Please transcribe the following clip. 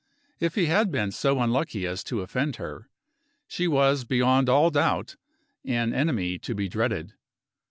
If he had been so unlucky as to offend her, she was beyond all doubt an enemy to be dreaded.